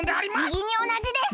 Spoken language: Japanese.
みぎにおなじです！